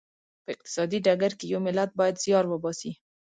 په اقتصادي ډګر کې یو ملت باید زیار وباسي.